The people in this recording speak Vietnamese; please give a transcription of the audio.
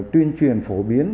tuyên truyền phổ biến